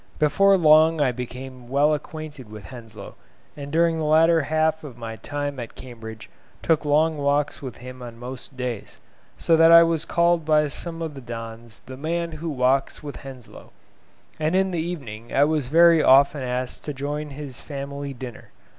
Before long I became well acquainted with Henslow, and during the latter half of my time at Cambridge took long walks with him on most days; so that I was called by some of the dons "the man who walks with Henslow;" and in the evening I was very often asked to join his family dinner.